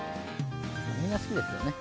みんな好きですよね。